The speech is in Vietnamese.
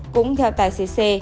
cũng theo tài xế c